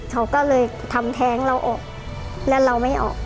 เขาก็เลยทำแท้งเราออกและเราไม่ออก